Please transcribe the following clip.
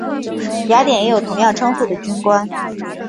雅典也有同样称呼的军官。